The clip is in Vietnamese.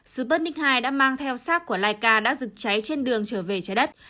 sputnik hai đã mang theo xác của laika đã rực cháy trên đường trở về trái đất